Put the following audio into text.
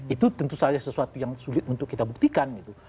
itu tentu saja sesuatu yang sulit untuk kita buktikan gitu